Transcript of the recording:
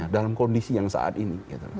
dalam kondisi yang saat ini